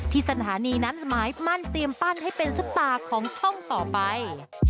สถานีนั้นหมายมั่นเตรียมปั้นให้เป็นซุปตาของช่องต่อไป